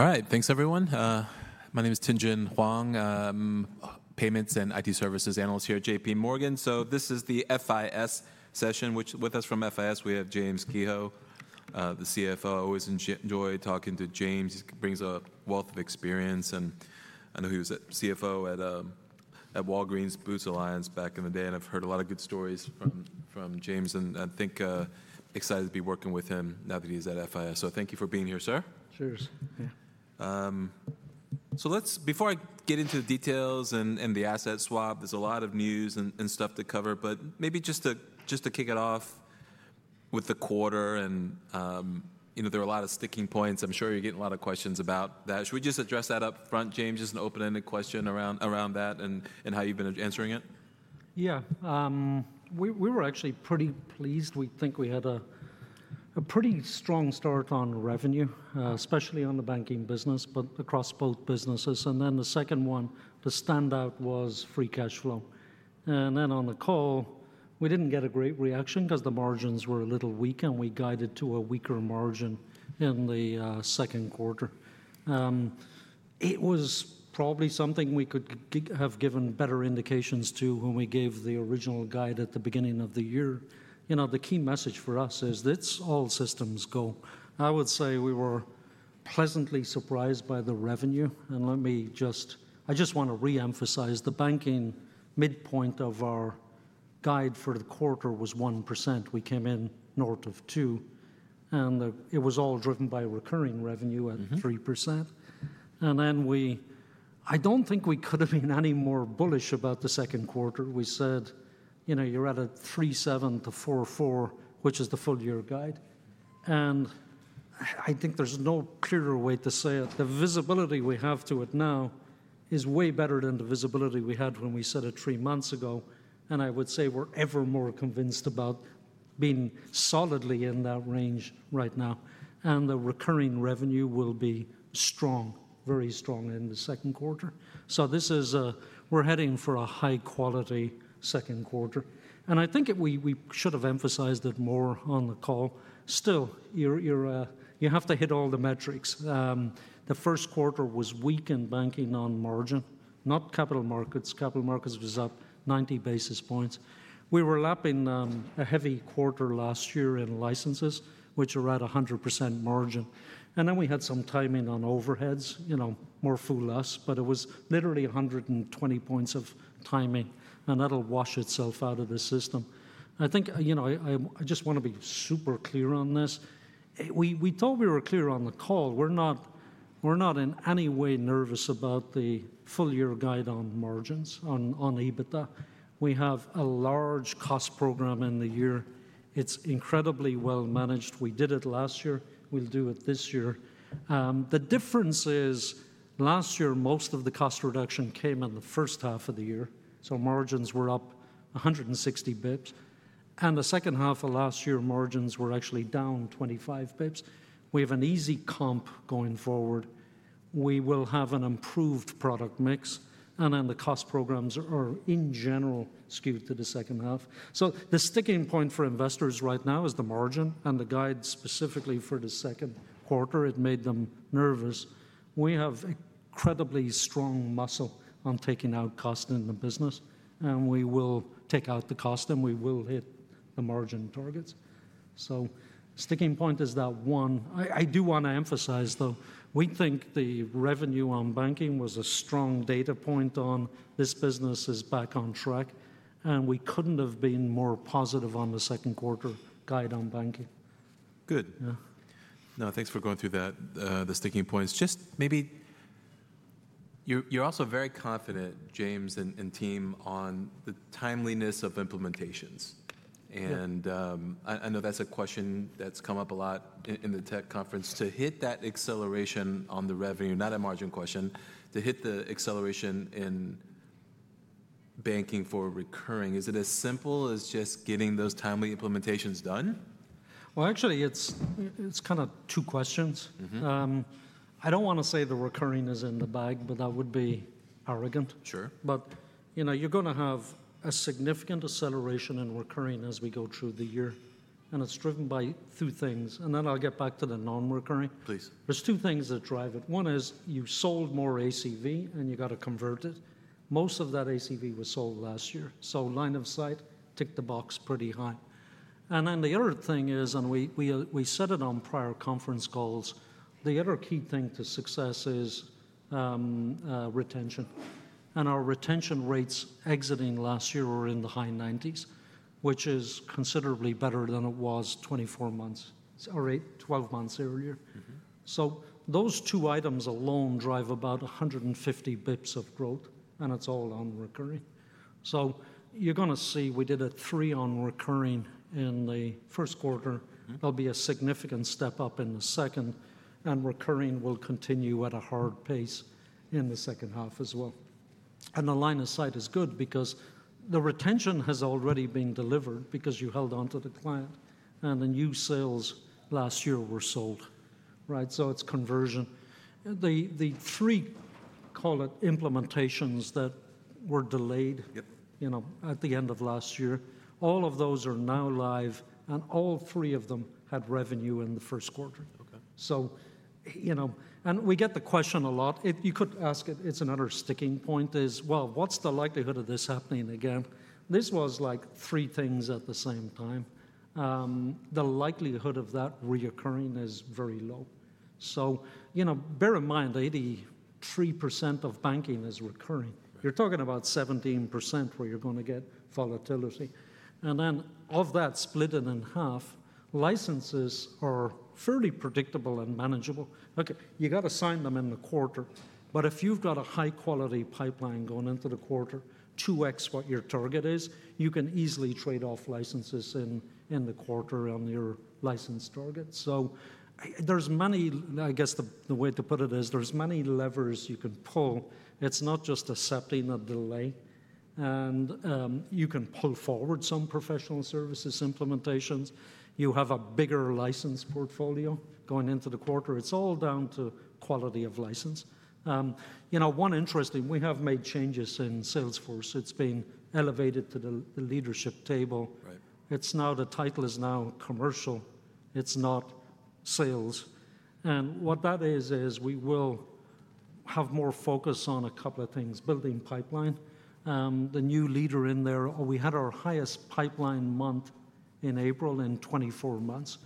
All right, thanks everyone. My name is Tien-tsin Huang, Payments and IT Services Analyst here at JPMorgan. This is the FIS session. With us from FIS, we have James Kehoe, the CFO. I always enjoy talking to James. He brings a wealth of experience. I know he was CFO at Walgreens Boots Alliance back in the day. I have heard a lot of good stories from James. I think I am excited to be working with him now that he is at FIS. Thank you for being here, sir. Cheers. Before I get into the details and the asset swap, there's a lot of news and stuff to cover. Maybe just to kick it off with the quarter. There are a lot of sticking points. I'm sure you're getting a lot of questions about that. Should we just address that up front, James, just an open-ended question around that and how you've been answering it? Yeah. We were actually pretty pleased. We think we had a pretty strong start on revenue, especially on the banking business, but across both businesses. The second one, the standout was free cash flow. On the call, we did not get a great reaction because the margins were a little weak. We guided to a weaker margin in the second quarter. It was probably something we could have given better indications to when we gave the original guide at the beginning of the year. The key message for us is that it is all systems go. I would say we were pleasantly surprised by the revenue. Let me just, I just want to reemphasize the banking midpoint of our guide for the quarter was 1%. We came in north of 2%. It was all driven by recurring revenue at 3%. We, I don't think we could have been any more bullish about the second quarter. We said, you know, you're at a 3.7-4.4, which is the full year guide. I think there's no clearer way to say it. The visibility we have to it now is way better than the visibility we had when we said it three months ago. I would say we're ever more convinced about being solidly in that range right now. The recurring revenue will be strong, very strong in the second quarter. This is a, we're heading for a high-quality second quarter. I think we should have emphasized it more on the call. Still, you have to hit all the metrics. The first quarter was weak in banking on margin, not capital markets. Capital markets was up 90 basis points. We were lapping a heavy quarter last year in licenses, which are at 100% margin. Then we had some timing on overheads, more full-less. It was literally 120 basis points of timing. That will wash itself out of the system. I think I just want to be super clear on this. We thought we were clear on the call. We are not in any way nervous about the full year guide on margins on EBITDA. We have a large cost program in the year. It is incredibly well managed. We did it last year. We will do it this year. The difference is, last year, most of the cost reduction came in the first half of the year. Margins were up 160 basis points. In the second half of last year, margins were actually down 25 basis points. We have an easy comp going forward. We will have an improved product mix. The cost programs are, in general, skewed to the second half. The sticking point for investors right now is the margin. The guide specifically for the second quarter made them nervous. We have incredibly strong muscle on taking out cost in the business. We will take out the cost. We will hit the margin targets. Sticking point is that one. I do want to emphasize, though, we think the revenue on banking was a strong data point on this business is back on track. We could not have been more positive on the second quarter guide on banking. Good. No, thanks for going through the sticking points. Just maybe you're also very confident, James and team, on the timeliness of implementations. I know that's a question that's come up a lot in the tech conference. To hit that acceleration on the revenue, not a margin question, to hit the acceleration in banking for recurring, is it as simple as just getting those timely implementations done? Actually, it's kind of two questions. I don't want to say the recurring is in the bag, but that would be arrogant. Sure. You're going to have a significant acceleration in recurring as we go through the year. It's driven by two things. Then I'll get back to the non-recurring. Please. Two things that drive it. One is you sold more ACV, and you have to convert it. Most of that ACV was sold last year, so line of sight ticked the box pretty high. The other thing is, and we said it on prior conference calls, the other key thing to success is retention. Our retention rates exiting last year were in the high 90%, which is considerably better than it was 24 months or 12 months earlier. Those two items alone drive about 150 basis points of growth, and it is all on recurring. You are going to see we did a 3% on recurring in the first quarter. There will be a significant step up in the second, and recurring will continue at a hard pace in the second half as well. The line of sight is good because the retention has already been delivered because you held on to the client. The new sales last year were sold, right? It is conversion. The three, call it, implementations that were delayed at the end of last year, all of those are now live. All three of them had revenue in the first quarter. OK. We get the question a lot. You could ask it. Another sticking point is, what's the likelihood of this happening again? This was like three things at the same time. The likelihood of that reoccurring is very low. Bear in mind, 83% of banking is recurring. You're talking about 17% where you're going to get volatility. Of that, split it in half, licenses are fairly predictable and manageable. OK, you got to sign them in the quarter. If you've got a high-quality pipeline going into the quarter, 2x what your target is, you can easily trade off licenses in the quarter on your license target. The way to put it is, there are many levers you can pull. It's not just accepting a delay. You can pull forward some professional services implementations. You have a bigger license portfolio going into the quarter. It's all down to quality of license. One interesting, we have made changes in Salesforce. It's been elevated to the leadership table. It's now the title is now commercial. It's not sales. What that is, is we will have more focus on a couple of things, building pipeline. The new leader in there, we had our highest pipeline month in April in 24 months.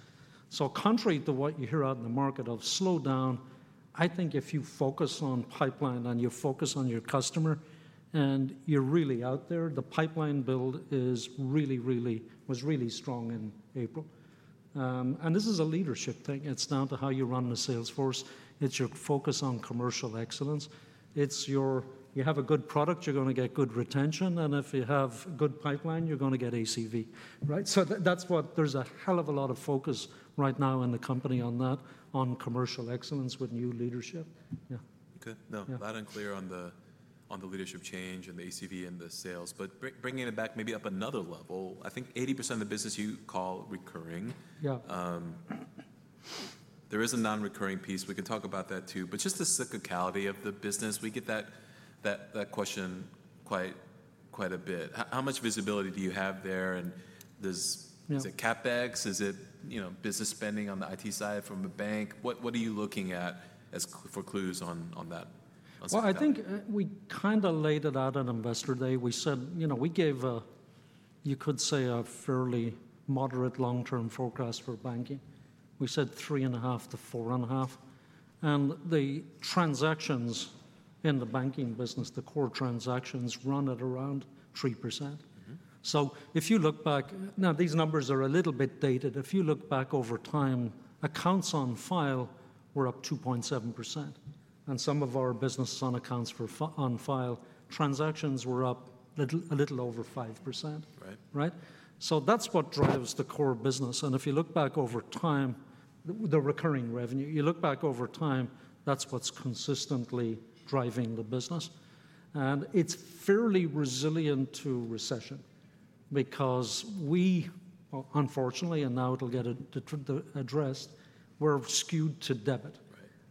Contrary to what you hear out in the market of slow down, I think if you focus on pipeline and you focus on your customer and you're really out there, the pipeline build was really strong in April. This is a leadership thing. It's down to how you run the Salesforce. It's your focus on commercial excellence. If you have a good product, you're going to get good retention. If you have good pipeline, you're going to get ACV, right? That's what there's a hell of a lot of focus right now in the company on, on commercial excellence with new leadership. Yeah. OK. No, loud and clear on the leadership change and the ACV and the sales. Bringing it back maybe up another level, I think 80% of the business you call recurring. There is a non-recurring piece. We can talk about that too. Just the cyclicality of the business, we get that question quite a bit. How much visibility do you have there? Is it CapEx? Is it business spending on the IT side from the bank? What are you looking at for clues on that? I think we kind of laid it out on investor day. We said, you know, we gave a, you could say, a fairly moderate long-term forecast for banking. We said 3.5%-4.5%. The transactions in the banking business, the core transactions run at around 3%. If you look back, now these numbers are a little bit dated. If you look back over time, accounts on file were up 2.7%. Some of our business on accounts on file transactions were up a little over 5%, right? That's what drives the core business. If you look back over time, the recurring revenue, you look back over time, that's what's consistently driving the business. It's fairly resilient to recession because we, unfortunately, and now it'll get addressed, we're skewed to debit.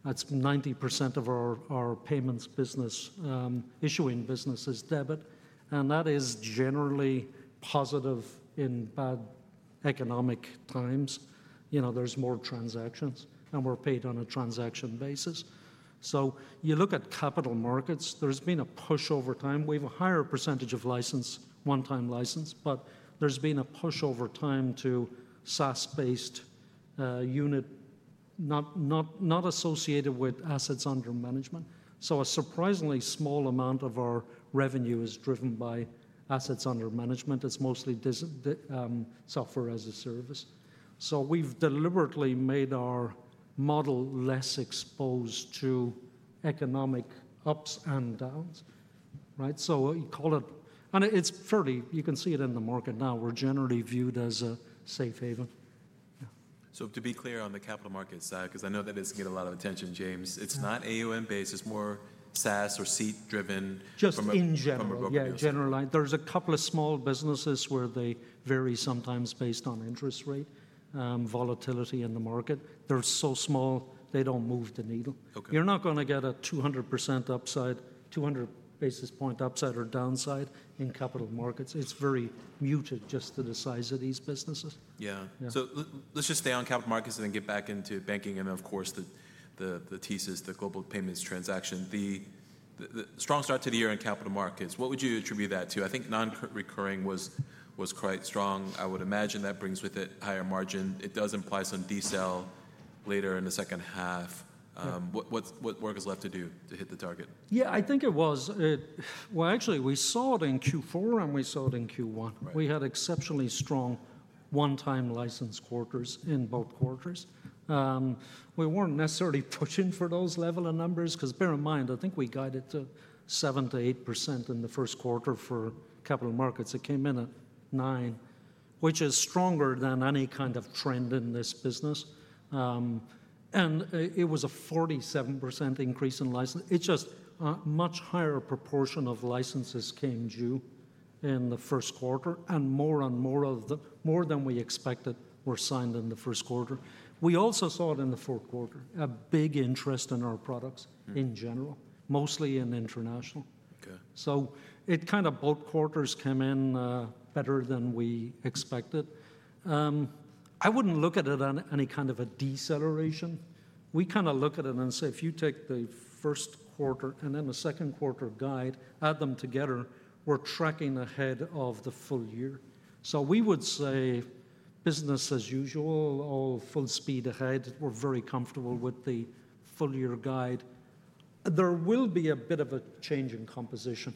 That's 90% of our payments business, issuing business is debit. That is generally positive in bad economic times. There's more transactions. We're paid on a transaction basis. You look at capital markets, there's been a push over time. We have a higher percentage of license, one-time license. There's been a push over time to SaaS-based unit, not associated with assets under management. A surprisingly small amount of our revenue is driven by assets under management. It's mostly software as a service. We've deliberately made our model less exposed to economic ups and downs, right? We call it, and it's fairly, you can see it in the market now, we're generally viewed as a safe haven. To be clear on the capital market side, because I know that is getting a lot of attention, James, it's not AUM-based. It's more SaaS or seat-driven. Just in general. From a brokerage. Yeah, generally. There's a couple of small businesses where they vary sometimes based on interest rate, volatility in the market. They're so small, they don't move the needle. You're not going to get a 200% upside, 200 basis point upside or downside in capital markets. It's very muted just due to the size of these businesses. Yeah. Let's just stay on capital markets and then get back into banking. And then, of course, the Thesis, the Global Payments transaction. The strong start to the year in capital markets, what would you attribute that to? I think non-recurring was quite strong. I would imagine that brings with it higher margin. It does imply some decel later in the second half. What work is left to do to hit the target? Yeah, I think it was, actually, we saw it in Q4. And we saw it in Q1. We had exceptionally strong one-time license quarters in both quarters. We were not necessarily pushing for those level of numbers because bear in mind, I think we guided to 7%-8% in the first quarter for capital markets. It came in at 9%, which is stronger than any kind of trend in this business. And it was a 47% increase in license. It is just a much higher proportion of licenses came due in the first quarter. And more and more of the, more than we expected, were signed in the first quarter. We also saw it in the fourth quarter, a big interest in our products in general, mostly in international. It kind of both quarters came in better than we expected. I wouldn't look at it on any kind of a deceleration. We kind of look at it and say, if you take the first quarter and then the second quarter guide, add them together, we're tracking ahead of the full year. We would say business as usual, all full speed ahead. We're very comfortable with the full year guide. There will be a bit of a change in composition.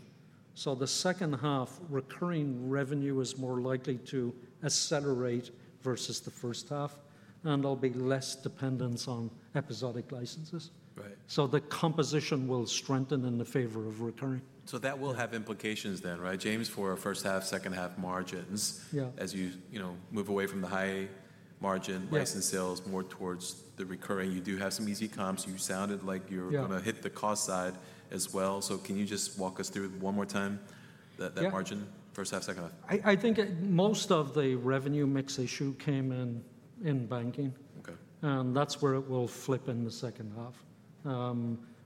The second half, recurring revenue is more likely to accelerate versus the first half. There will be less dependence on episodic licenses. The composition will strengthen in the favor of recurring. That will have implications then, right, James, for first half, second half margins as you move away from the high margin, license sales, more towards the recurring. You do have some easy comps. You sounded like you're going to hit the cost side as well. Can you just walk us through one more time that margin, first half, second half? I think most of the revenue mix issue came in banking. That is where it will flip in the second half.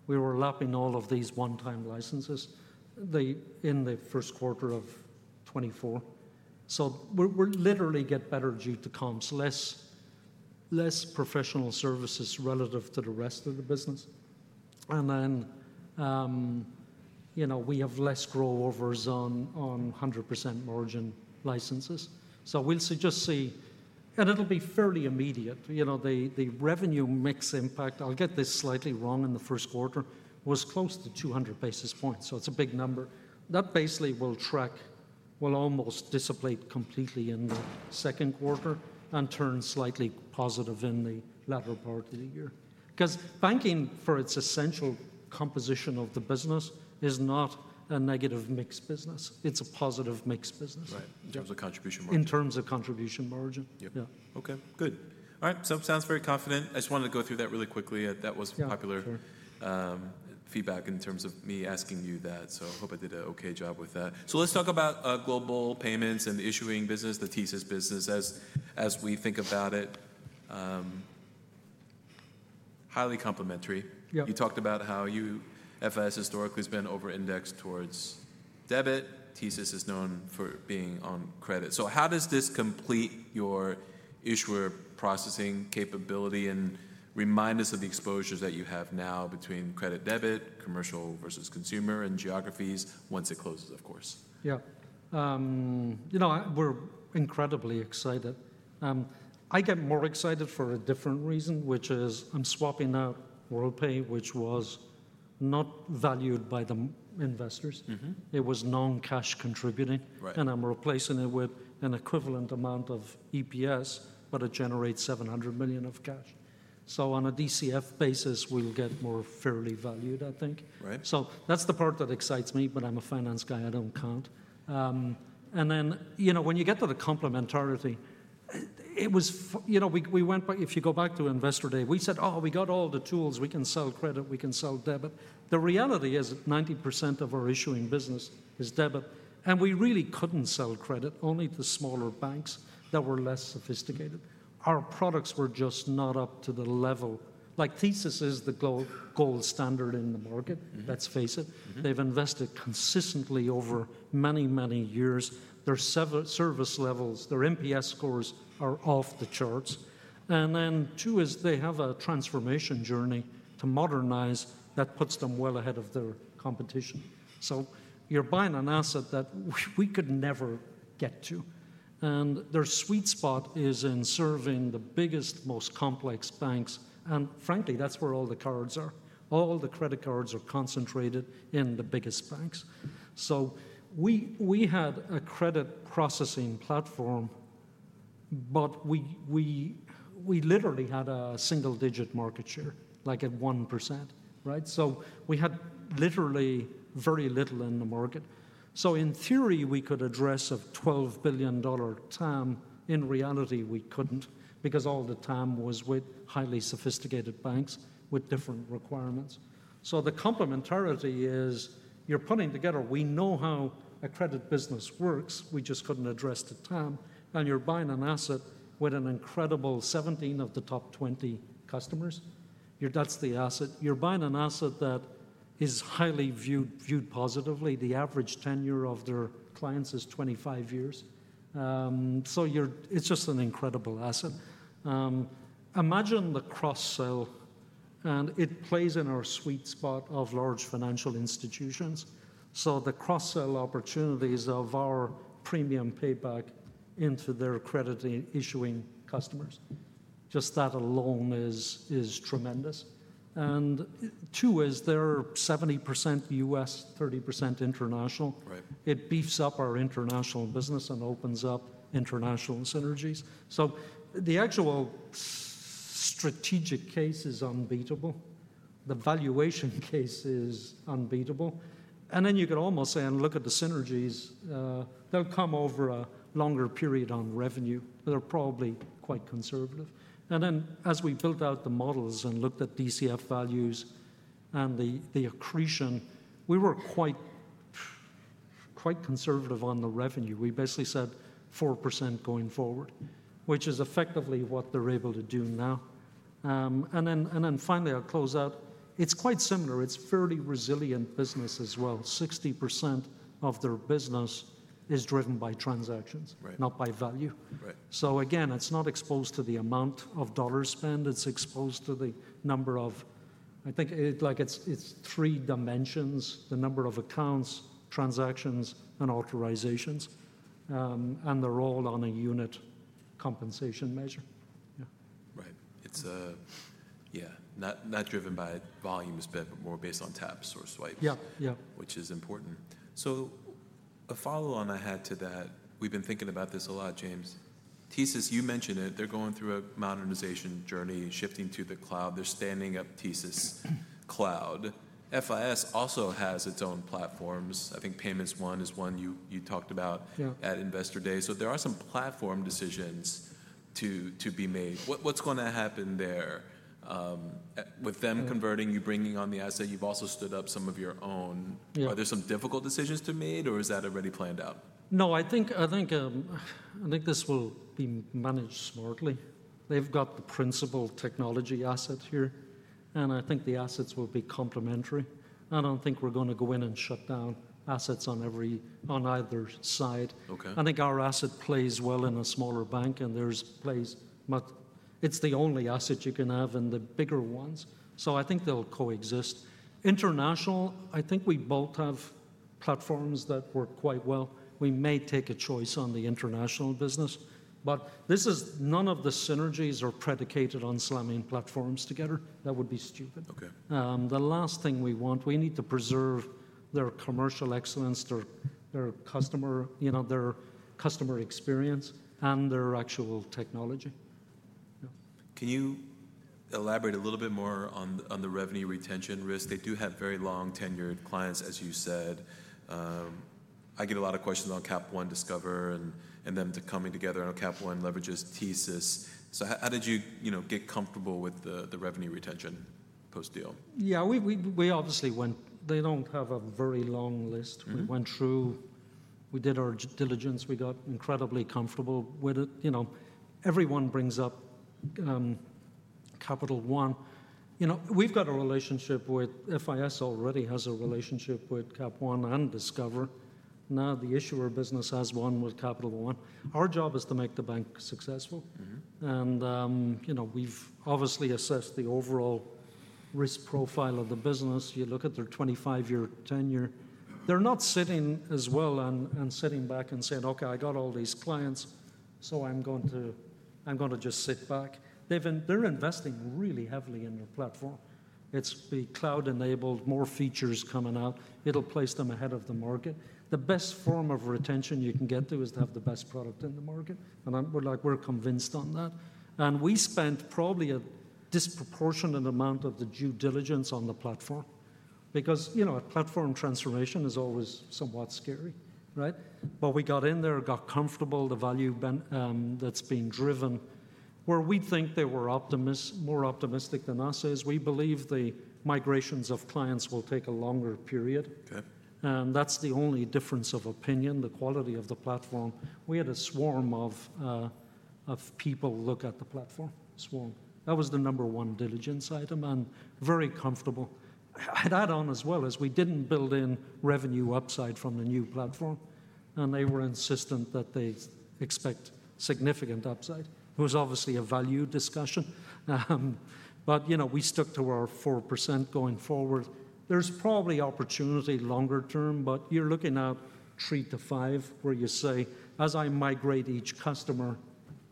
We were lapping all of these one-time licenses in the first quarter of 2024. We will literally get better due to comps, less professional services relative to the rest of the business. We have less grow-overs on 100% margin licenses. We will just see, and it will be fairly immediate. The revenue mix impact, I will get this slightly wrong in the first quarter, was close to 200 basis points. It is a big number. That basically will track, will almost dissipate completely in the second quarter and turn slightly positive in the latter part of the year. Because banking, for its essential composition of the business, is not a negative mix business. It is a positive mix business. Right, in terms of contribution margin. In terms of contribution margin. Yeah. OK, good. All right, it sounds very confident. I just wanted to go through that really quickly. That was popular feedback in terms of me asking you that. I hope I did an OK job with that. Let's talk about Global Payments and the issuing business, the Thesis business, as we think about it. Highly complementary. You talked about how you, FIS, historically has been over-indexed towards debit. Thesis is known for being on credit. How does this complete your issuer processing capability and remind us of the exposures that you have now between credit-debit, commercial versus consumer, and geographies once it closes, of course? Yeah. You know, we're incredibly excited. I get more excited for a different reason, which is I'm swapping out Worldpay, which was not valued by the investors. It was non-cash contributing. I'm replacing it with an equivalent amount of EPS, but it generates $700 million of cash. On a DCF basis, we'll get more fairly valued, I think. That's the part that excites me. I'm a finance guy. I don't count. When you get to the complementarity, it was, you know, we went, if you go back to investor day, we said, oh, we got all the tools. We can sell credit. We can sell debit. The reality is 90% of our issuing business is debit. We really couldn't sell credit, only the smaller banks that were less sophisticated. Our products were just not up to the level. Like Thesis is the gold standard in the market. Let's face it. They've invested consistently over many, many years. Their service levels, their NPS scores are off the charts. Two is they have a transformation journey to modernize that puts them well ahead of their competition. You're buying an asset that we could never get to. Their sweet spot is in serving the biggest, most complex banks. Frankly, that's where all the cards are. All the credit cards are concentrated in the biggest banks. We had a credit processing platform, but we literally had a single-digit market share, like at 1%, right? We had literally very little in the market. In theory, we could address a $12 billion TAM. In reality, we couldn't because all the TAM was with highly sophisticated banks with different requirements. The complementarity is you're putting together, we know how a credit business works. We just couldn't address the TAM. You're buying an asset with an incredible 17 of the top 20 customers. That's the asset. You're buying an asset that is highly viewed positively. The average tenure of their clients is 25 years. It's just an incredible asset. Imagine the cross-sell. It plays in our sweet spot of large financial institutions. The cross-sell opportunities of our Premium Payback into their credit issuing customers, just that alone is tremendous. Two is they're 70% U.S., 30% international. It beefs up our international business and opens up international synergies. The actual strategic case is unbeatable. The valuation case is unbeatable. You could almost say, and look at the synergies, they'll come over a longer period on revenue. They're probably quite conservative. As we built out the models and looked at DCF values and the accretion, we were quite conservative on the revenue. We basically said 4% going forward, which is effectively what they're able to do now. Finally, I'll close out. It's quite similar. It's fairly resilient business as well. 60% of their business is driven by transactions, not by value. Again, it's not exposed to the amount of dollars spent. It's exposed to the number of, I think it's three dimensions, the number of accounts, transactions, and authorizations. They're all on a unit compensation measure. Right. Yeah, not driven by volumes, but more based on taps or swipes, which is important. A follow-on I had to that, we've been thinking about this a lot, James. Thesis, you mentioned it. They're going through a modernization journey, shifting to the cloud. They're standing up Thesis Cloud. FIS also has its own platforms. I think Payments One is one you talked about at investor day. There are some platform decisions to be made. What's going to happen there with them converting, you bringing on the asset? You've also stood up some of your own. Are there some difficult decisions to make, or is that already planned out? No, I think this will be managed smartly. They've got the principal technology asset here. I think the assets will be complementary. I don't think we're going to go in and shut down assets on either side. I think our asset plays well in a smaller bank, and theirs plays much. It's the only asset you can have in the bigger ones. I think they'll coexist. International, I think we both have platforms that work quite well. We may take a choice on the international business. None of the synergies are predicated on slamming platforms together. That would be stupid. The last thing we want, we need to preserve their commercial excellence, their customer experience, and their actual technology. Can you elaborate a little bit more on the revenue retention risk? They do have very long-tenured clients, as you said. I get a lot of questions on Cap One, Discover, and them coming together. I know Cap One leverages Thesis. How did you get comfortable with the revenue retention post-deal? Yeah, we obviously went, they do not have a very long list. We went through, we did our diligence. We got incredibly comfortable with it. Everyone brings up Capital One. We have got a relationship with FIS already has a relationship with Capital One and Discover. Now the issuer business has one with Capital One. Our job is to make the bank successful. We have obviously assessed the overall risk profile of the business. You look at their 25-year tenure. They are not sitting as well and sitting back and saying, OK, I got all these clients. I am going to just sit back. They are investing really heavily in their platform. It is the cloud-enabled, more features coming out. It will place them ahead of the market. The best form of retention you can get to is to have the best product in the market. We are convinced on that. We spent probably a disproportionate amount of the due diligence on the platform because platform transformation is always somewhat scary, right? We got in there, got comfortable. The value that's being driven, where we think they were optimists, more optimistic than us, is we believe the migrations of clients will take a longer period. That's the only difference of opinion, the quality of the platform. We had a swarm of people look at the platform, swarm. That was the number one diligence item and very comfortable. I'd add on as well as we didn't build in revenue upside from the new platform. They were insistent that they expect significant upside. It was obviously a value discussion. We stuck to our 4% going forward. There's probably opportunity longer term, but you're looking at three to five where you say, as I migrate each customer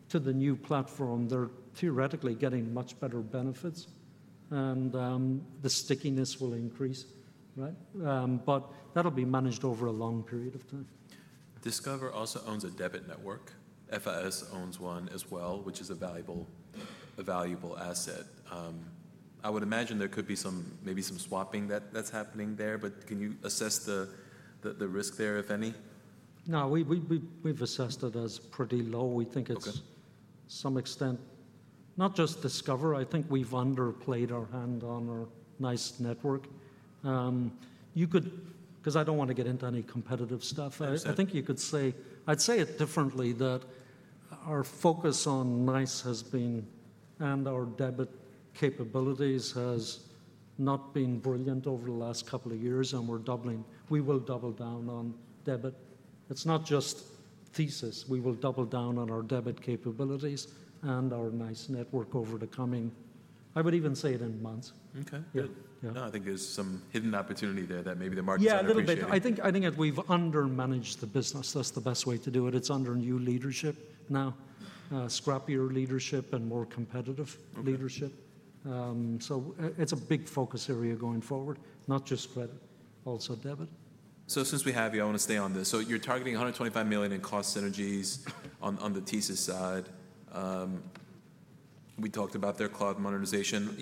to the new platform, they're theoretically getting much better benefits. The stickiness will increase, right? That'll be managed over a long period of time. Discover also owns a debit network. FIS owns one as well, which is a valuable asset. I would imagine there could be maybe some swapping that's happening there. Can you assess the risk there, if any? No, we've assessed it as pretty low. We think it's, to some extent, not just Discover. I think we've underplayed our hand on our NICE network. Because I don't want to get into any competitive stuff. I think you could say, I'd say it differently, that our focus on NICE has been, and our debit capabilities have not been brilliant over the last couple of years. We will double down on debit. It's not just Thesis. We will double down on our debit capabilities and our NICE network over the coming, I would even say, months. OK. No, I think there's some hidden opportunity there that maybe the market's not going to see. Yeah, a little bit. I think we've undermanaged the business. That's the best way to do it. It's under new leadership now, scrappier leadership and more competitive leadership. It's a big focus area going forward, not just credit, also debit. Since we have you, I want to stay on this. You're targeting $125 million in cost synergies on the Thesis side. We talked about their cloud modernization.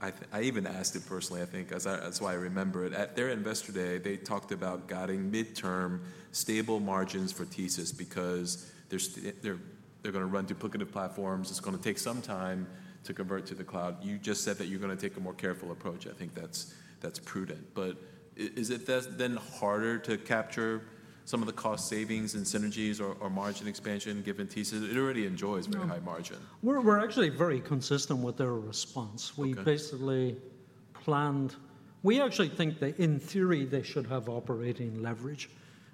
I even asked it personally, I think, that's why I remember it. At their investor day, they talked about guiding midterm stable margins for Thesis because they're going to run duplicative platforms. It's going to take some time to convert to the cloud. You just said that you're going to take a more careful approach. I think that's prudent. Is it then harder to capture some of the cost savings and synergies or margin expansion given Thesis? It already enjoys very high margin. We're actually very consistent with their response. We basically planned, we actually think that in theory, they should have operating leverage.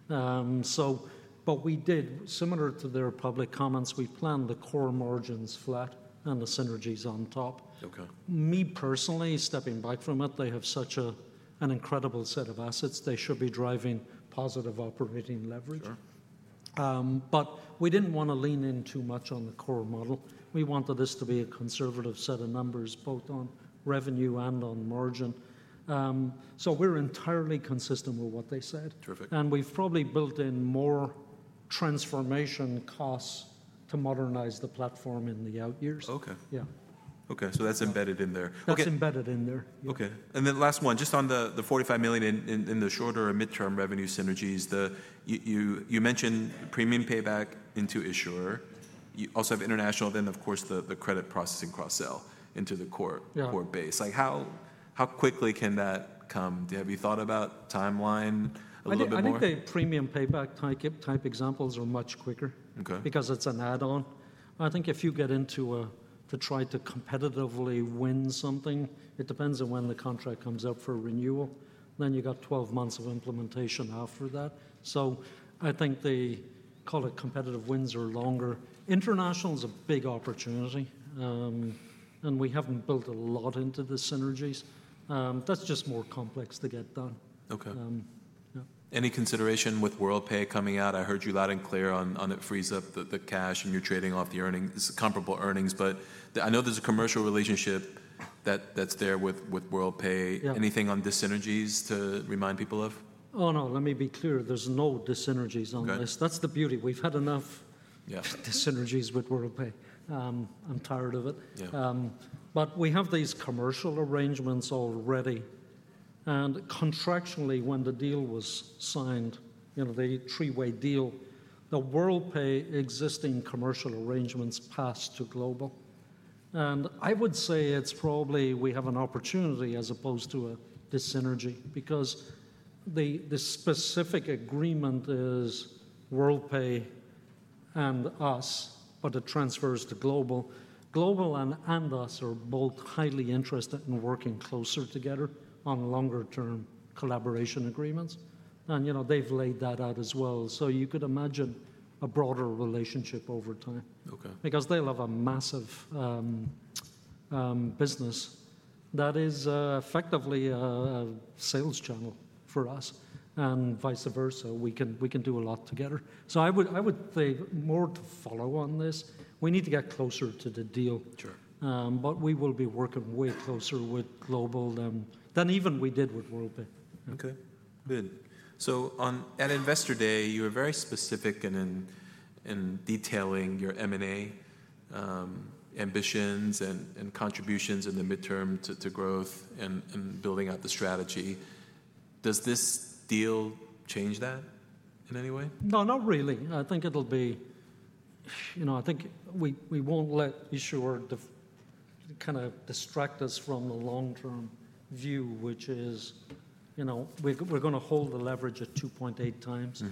We did, similar to their public comments, we planned the core margins flat and the synergies on top. Me personally, stepping back from it, they have such an incredible set of assets. They should be driving positive operating leverage. We did not want to lean in too much on the core model. We wanted this to be a conservative set of numbers both on revenue and on margin. We are entirely consistent with what they said. We have probably built in more transformation costs to modernize the platform in the out years. OK. OK, so that's embedded in there. That's embedded in there. OK. And then last one, just on the $45 million in the shorter and midterm revenue synergies, you mentioned Premium Payback into issuer. You also have international, then, of course, the credit processing cross-sell into the core base. How quickly can that come? Have you thought about timeline a little bit more? I think the Premium Payback type examples are much quicker because it's an add-on. I think if you get into to try to competitively win something, it depends on when the contract comes up for renewal. Then you've got 12 months of implementation after that. I think the, call it competitive wins are longer. International is a big opportunity. We haven't built a lot into the synergies. That's just more complex to get done. Any consideration with Worldpay coming out? I heard you loud and clear on it frees up the cash and you're trading off the earnings, comparable earnings. I know there's a commercial relationship that's there with Worldpay. Anything on the synergies to remind people of? Oh, no. Let me be clear. There's no synergies on this. That's the beauty. We've had enough synergies with Worldpay. I'm tired of it. We have these commercial arrangements already. Contractually, when the deal was signed, the three-way deal, the Worldpay existing commercial arrangements passed to Global. I would say we have an opportunity as opposed to a synergy because the specific agreement is Worldpay and us, but it transfers to Global. Global and us are both highly interested in working closer together on longer-term collaboration agreements. They have laid that out as well. You could imagine a broader relationship over time because they have a massive business that is effectively a sales channel for us and vice versa. We can do a lot together. I would say more to follow on this. We need to get closer to the deal. We will be working way closer with Global Payments than even we did with Worldpay. OK. Good. At investor day, you were very specific in detailing your M&A ambitions and contributions in the midterm to growth and building out the strategy. Does this deal change that in any way? No, not really. I think it'll be, I think we won't let issuer kind of distract us from the long-term view, which is we're going to hold the leverage at 2.8 times.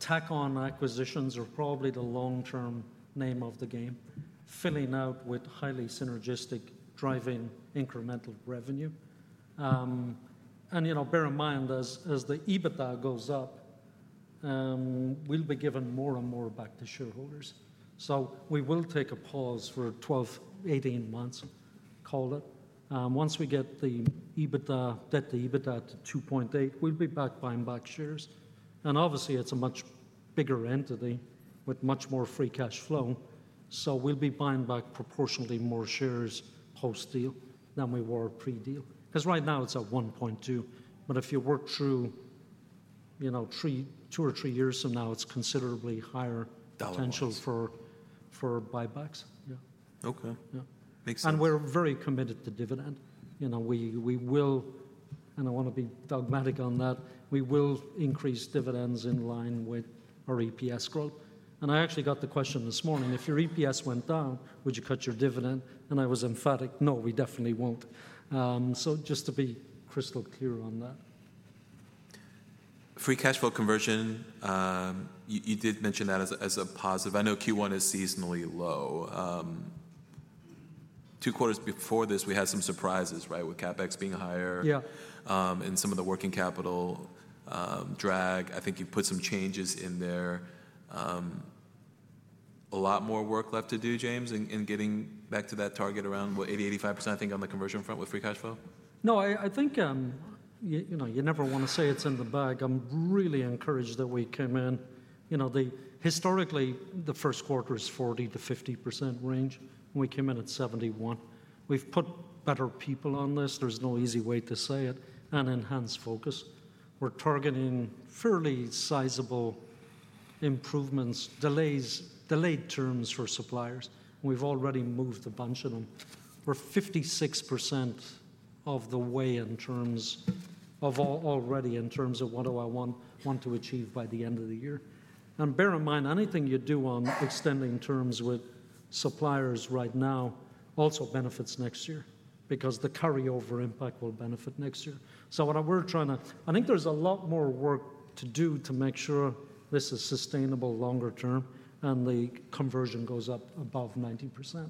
Tack-on acquisitions are probably the long-term name of the game, filling out with highly synergistic driving incremental revenue. Bear in mind, as the EBITDA goes up, we'll be giving more and more back to shareholders. We will take a pause for 12-18 months, call it. Once we get the EBITDA, get the EBITDA to 2.8, we'll be back buying back shares. Obviously, it's a much bigger entity with much more free cash flow. We'll be buying back proportionally more shares post-deal than we were pre-deal. Right now it's at 1.2. If you work through two or three years from now, it's considerably higher potential for buybacks. OK. Makes sense. We are very committed to dividend. We will, and I want to be dogmatic on that, we will increase dividends in line with our EPS growth. I actually got the question this morning. If your EPS went down, would you cut your dividend? I was emphatic, no, we definitely will not. Just to be crystal clear on that. Free cash flow conversion, you did mention that as a positive. I know Q1 is seasonally low. Two quarters before this, we had some surprises, right, with CapEx being higher and some of the working capital drag. I think you've put some changes in there. A lot more work left to do, James, in getting back to that target around, what, 80%-85%, I think, on the conversion front with free cash flow? No, I think you never want to say it's in the bag. I'm really encouraged that we came in. Historically, the first quarter is 40%-50% range. We came in at 71%. We've put better people on this. There's no easy way to say it and enhanced focus. We're targeting fairly sizable improvements, delayed terms for suppliers. We've already moved a bunch of them. We're 56% of the way in terms of already in terms of what do I want to achieve by the end of the year. Bear in mind, anything you do on extending terms with suppliers right now also benefits next year because the carryover impact will benefit next year. What we're trying to, I think there's a lot more work to do to make sure this is sustainable longer term and the conversion goes up above 90%.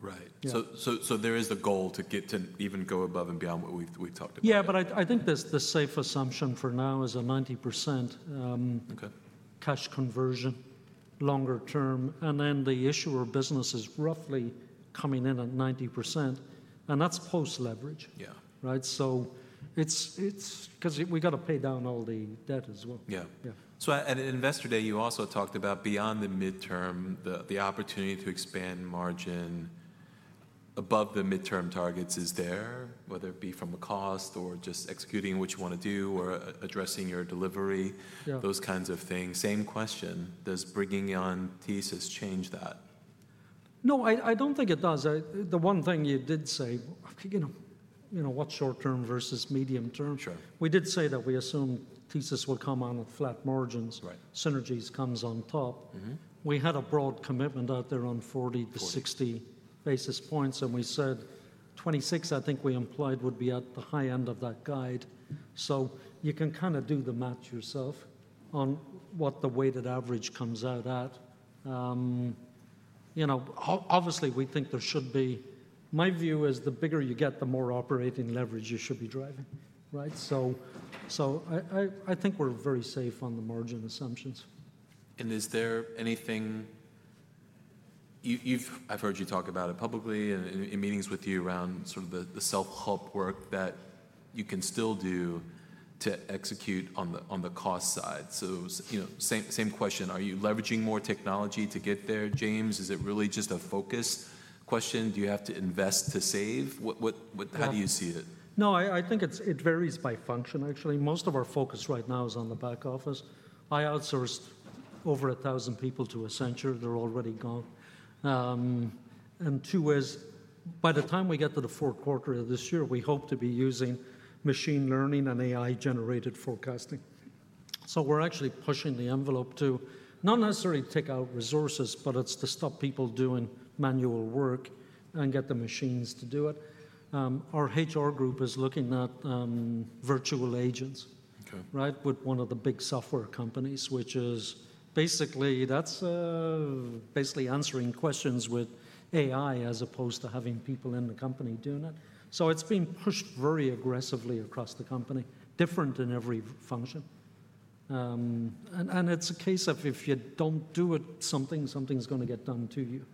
Right. So there is a goal to get to even go above and beyond what we've talked about. Yeah, but I think the safe assumption for now is a 90% cash conversion longer term. And then the issuer business is roughly coming in at 90%. And that's post-leverage, right? Because we've got to pay down all the debt as well. Yeah. At investor day, you also talked about beyond the midterm, the opportunity to expand margin above the midterm targets is there, whether it be from a cost or just executing what you want to do or addressing your delivery, those kinds of things. Same question. Does bringing on Thesis change that? No, I don't think it does. The one thing you did say, what short-term versus medium-term? We did say that we assume Thesis will come on with flat margins. Synergies comes on top. We had a broad commitment out there on 40%-60% basis points. And we said 26%, I think we implied, would be at the high end of that guide. You can kind of do the math yourself on what the weighted average comes out at. Obviously, we think there should be, my view is the bigger you get, the more operating leverage you should be driving, right? I think we're very safe on the margin assumptions. Is there anything, I've heard you talk about it publicly and in meetings with you, around sort of the self-help work that you can still do to execute on the cost side? Same question, are you leveraging more technology to get there, James? Is it really just a focus question? Do you have to invest to save? How do you see it? No, I think it varies by function, actually. Most of our focus right now is on the back office. I outsourced over 1,000 people to Accenture. They're already gone. Two is, by the time we get to the fourth quarter of this year, we hope to be using machine learning and AI-generated forecasting. We're actually pushing the envelope to not necessarily take out resources, but it's to stop people doing manual work and get the machines to do it. Our HR group is looking at virtual agents, right, with one of the big software companies, which is basically answering questions with AI as opposed to having people in the company doing it. It is being pushed very aggressively across the company, different in every function. It's a case of if you do not do something, something's going to get done to you.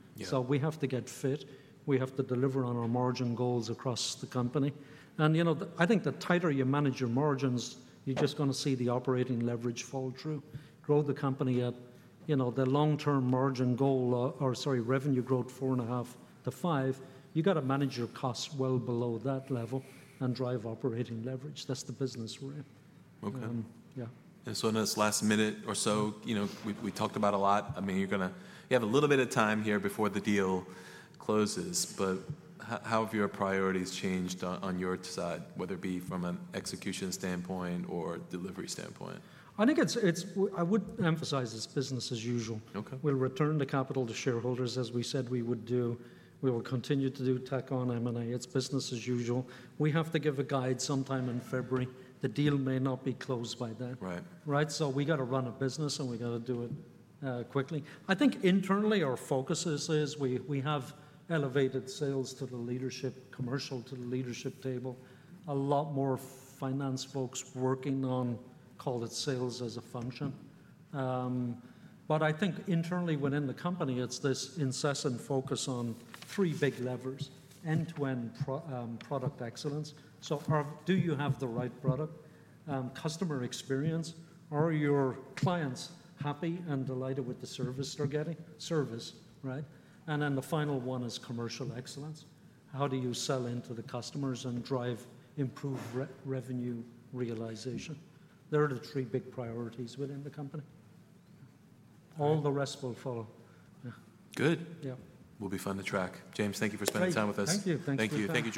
We have to get fit. We have to deliver on our margin goals across the company. I think the tighter you manage your margins, you're just going to see the operating leverage fall through. Grow the company at the long-term margin goal or, sorry, revenue growth, 4.5%-5%, you've got to manage your costs well below that level and drive operating leverage. That's the business we're in. OK. In this last minute or so, we talked about a lot. I mean, you have a little bit of time here before the deal closes. How have your priorities changed on your side, whether it be from an execution standpoint or delivery standpoint? I think I would emphasize it's business as usual. We'll return the capital to shareholders, as we said we would do. We will continue to do tack-on M&A. It's business as usual. We have to give a guide sometime in February. The deal may not be closed by then, right? We have to run a business, and we have to do it quickly. I think internally, our focus is we have elevated sales to the leadership, commercial to the leadership table, a lot more finance folks working on, call it, sales as a function. I think internally, within the company, it's this incessant focus on three big levers: end-to-end product excellence. Do you have the right product? Customer experience. Are your clients happy and delighted with the service they're getting? Service, right? The final one is commercial excellence. How do you sell into the customers and drive improved revenue realization? They're the three big priorities within the company. All the rest will follow. Good. We'll be fine to track. James, thank you for spending time with us. Thank you. Thank you. Thank you.